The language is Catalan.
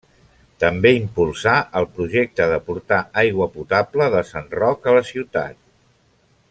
També impulsar el projecte de portar aigua potable de Sant Roc a la ciutat.